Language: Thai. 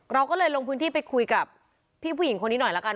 เราก็เลยลงพื้นที่ไปคุยกับพี่ผู้หญิงคนนี้หน่อยละกัน